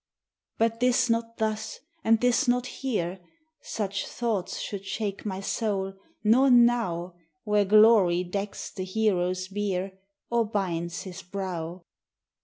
But 'tis not thus and 'tis not here Such thoughts should shake my soul, nor now, Where glory decks the hero's bier, Or binds his brow.